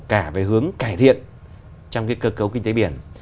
cả về hướng cải thiện